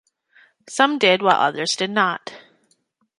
Some did, while others did not.